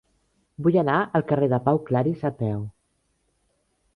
Vull anar al carrer de Pau Claris a peu.